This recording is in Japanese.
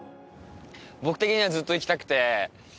僕的にはずっと行きたくて。